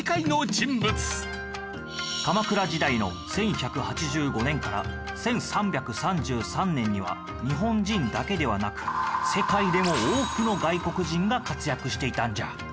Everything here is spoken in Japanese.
鎌倉時代の１１８５年から１３３３年には日本人だけではなく世界でも多くの外国人が活躍していたんじゃ。